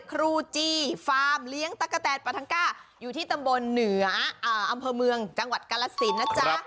ครูจีฟาร์มเลี้ยงตะกะแตนปาทังก้าอยู่ที่ตำบลเหนืออำเภอเมืองจังหวัดกาลสินนะจ๊ะ